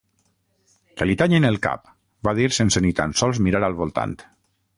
Que li tallin el cap! va dir sense ni tan sols mirar al voltant.